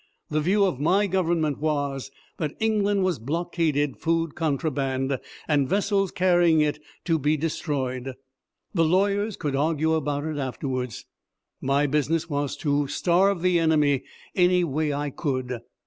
The view of my Government was that England was blockaded, food contraband, and vessels carrying it to be destroyed. The lawyers could argue about it afterwards. My business was to starve the enemy any way I could.